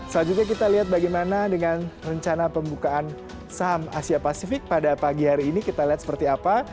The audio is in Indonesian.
selanjutnya kita lihat bagaimana dengan rencana pembukaan saham asia pasifik pada pagi hari ini kita lihat seperti apa